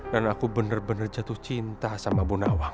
dan aku bener bener jatuh cinta sama bu nawang